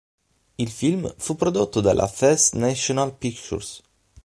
Il film fu prodotto dalla First National Pictures.